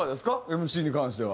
ＭＣに関しては。